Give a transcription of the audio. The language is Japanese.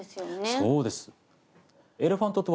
そうです。